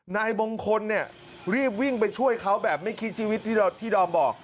นายมงคลเนี่ยรีบวิ่งไปช่วยเขาแบบไม่คิดชีวิตที่ดอมบอก